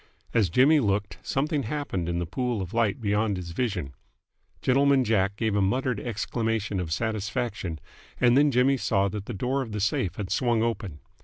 As Jimmy looked, something happened in the pool of light beyond his vision. Gentleman Jack gave a muttered exclamation of satisfaction, and then Jimmy saw that the door of the safe had swung open.